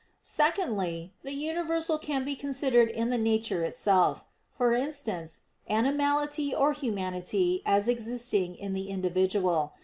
Secondly, the universal can be considered in the nature itself for instance, animality or humanity as existing in the individual.